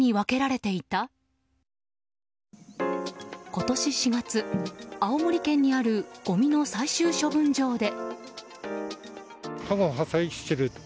今年４月、青森県にあるごみの最終処分場で。